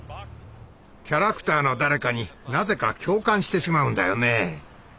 キャラクターの誰かになぜか共感してしまうんだよね。